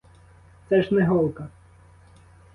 Це ж не голка!